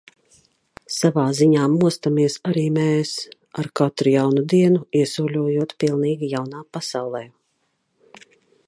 Savā ziņā mostamies arī mēs – ar katru jaunu dienu iesoļojot pilnīgi jaunā pasaulē.